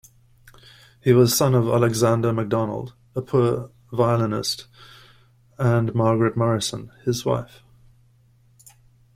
He was son of Alexander Macdonald, a poor violinist, and Margaret Morison, his wife.